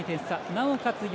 なおかつ